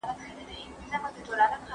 کمپيوټر راپور جوړوي.